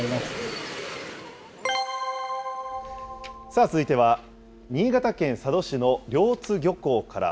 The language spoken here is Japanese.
さあ続いては、新潟県佐渡市の両津漁港から。